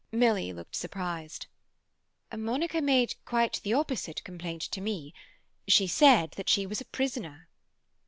Milly looked surprised. "Monica made quite the opposite complaint to me. She said that she was a prisoner."